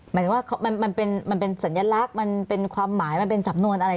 หมายถึงว่ามันเป็นสัญลักษณ์มันเป็นความหมายมันเป็นสำนวนอะไร